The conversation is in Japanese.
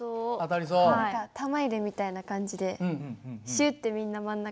何か玉入れみたいな感じでシュッてみんな真ん中に。